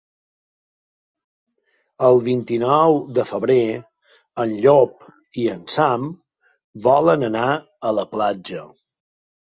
El vint-i-nou de febrer en Llop i en Sam volen anar a la platja.